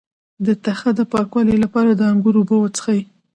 د تخه د پاکوالي لپاره د انګور اوبه وڅښئ